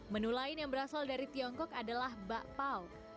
menu lain yang berasal dari tiongkok adalah bakpao